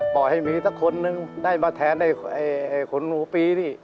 ป่อให้มีแต่คนนึงได้มาแทนคนหนูปีนี่